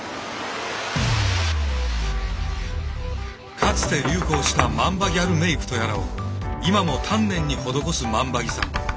かつて流行したマンバギャルメイクとやらを今も丹念に施す万場木さん。